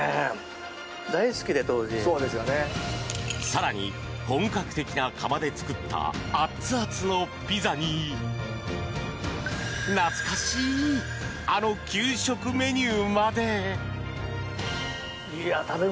更に、本格的な窯で作った熱々のピザに懐かしいあの給食メニューまで！